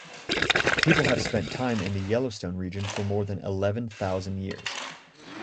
People have spent time in the Yellowstone region for more than eleven-thousand years.